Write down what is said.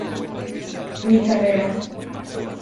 Mi carrera.